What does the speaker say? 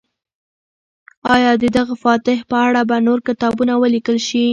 آیا د دغه فاتح په اړه به نور کتابونه ولیکل شي؟